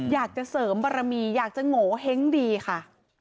อยากจะเสริมบารมีอยากจะโงเห้งดีค่ะ